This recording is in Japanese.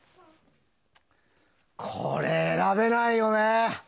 これ選べないよね。